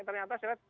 ternyata saya lihat